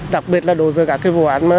đặc biệt là đối với các vụ án